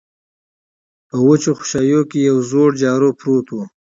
په وچو خوشايو کې يوه زړه جارو پرته وه.